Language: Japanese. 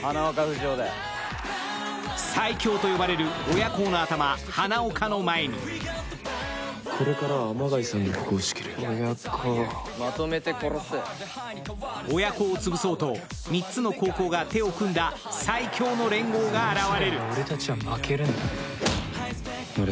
最凶と呼ばれる鬼邪高の頭、花岡を前に鬼邪高を潰そうと、３つの高校が手を組んだ最凶の連合が現れる。